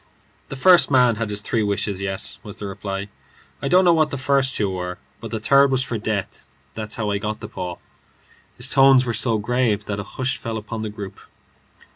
"The first man had his three wishes. Yes," was the reply; "I don't know what the first two were, but the third was for death. That's how I got the paw." His tones were so grave that a hush fell upon the group.